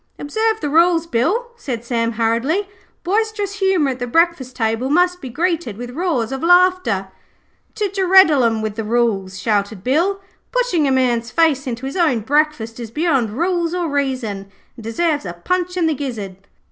'Observe the rules, Bill,' said Sam hurriedly. 'Boisterous humour at the breakfast table must be greeted with roars of laughter.' 'To Jeredelum with the rules,' shouted Bill. 'Pushing a man's face into his own breakfast is beyond rules or reason, and deserves a punch in the gizzard.'